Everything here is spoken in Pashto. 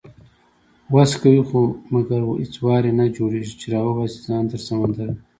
وس کوي خو مګر هیڅ وار یې نه جوړیږي، چې راوباسي ځان تر سمندره